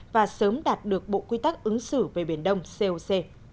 và sớm đạt được bộ quy tắc ứng xử về biển đông coc